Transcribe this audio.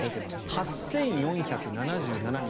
８４７７人。